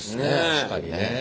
確かにね。